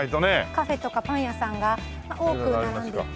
カフェとかパン屋さんが多く並んでいて。